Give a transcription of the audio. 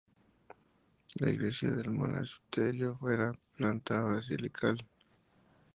La iglesia del monasterio era de planta basilical.